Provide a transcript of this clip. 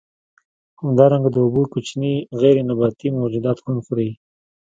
همدارنګه د اوبو کوچني غیر نباتي موجودات هم خوري.